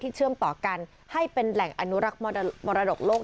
เชื่อมต่อกันให้เป็นแหล่งอนุรักษ์มรดกโลก